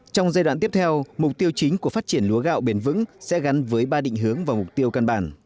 trong giai đoạn tiếp theo mục tiêu chính của phát triển lúa gạo bền vững sẽ gắn với ba định hướng và mục tiêu căn bản